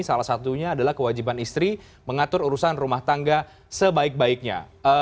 salah satunya adalah kewajiban istri mengatur urusan rumah tangga sebaik baiknya